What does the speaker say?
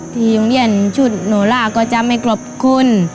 ที่โรงเรียนชุดโนล่าก็จะไม่ขอบคุณ